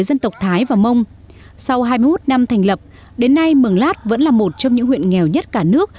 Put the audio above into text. độc thái và mông sau hai mươi một năm thành lập đến nay mầng lát vẫn là một trong những huyện nghèo nhất cả nước